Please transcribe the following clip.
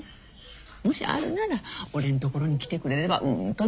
もしあるなら俺んところに来てくれればうんと大事にするけどなって。